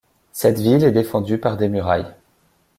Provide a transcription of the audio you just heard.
Cette ville est défendue par des murailles.